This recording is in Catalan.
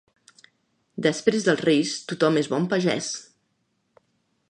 Després dels Reis tothom és bon pagès.